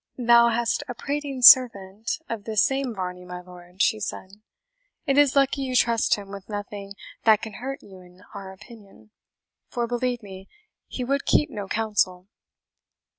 "Thou hast a prating servant of this same Varney, my lord," she said; "it is lucky you trust him with nothing that can hurt you in our opinion, for believe me, he would keep no counsel."